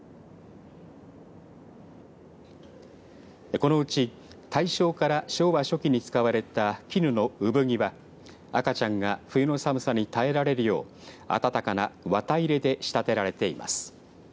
このうち大正から昭和初期に使われた絹の産着は赤ちゃんが冬の寒さに耐えられるよう温かな綿入れで仕立てられています。